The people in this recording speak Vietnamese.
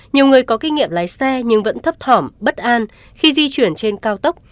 nhiều người có kinh nghiệm lái xe nhưng vẫn thấp thỏm bất an khi di chuyển trên cao tốc